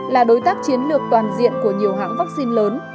là đối tác chiến lược toàn diện của nhiều hãng vaccine lớn